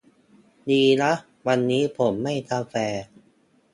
ดีนะวันนี้ผมไม่กาแฟ